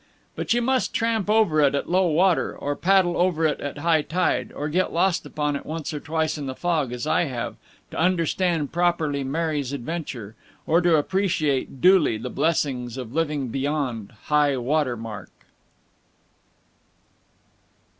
But you must tramp over it at low water, or paddle over it at high tide, or get lost upon it once or twice in the fog, as I have, to understand properly Mary's adventure, or to appreciate duly the blessings of living beyond High Water Mark.